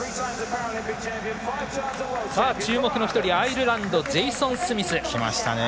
注目の１人、アイルランドのジェイソン・スミス。